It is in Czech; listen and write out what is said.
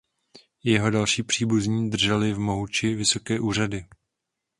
I jeho další příbuzní drželi v Mohuči vysoké úřady.